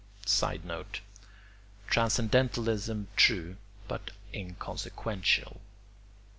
[Sidenote: Transcendentalism true but inconsequential.